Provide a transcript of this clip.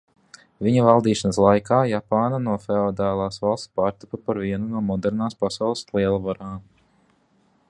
Viņa valdīšanas laikā Japāna no feodālas valsts pārtapa par vienu no modernās pasaules lielvarām.